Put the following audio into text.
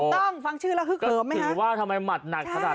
ถูกต้องฟังชื่อแล้วคือเขิมไหมฮะก็ถือว่าทำไมหมัดหนักขนาดนั้น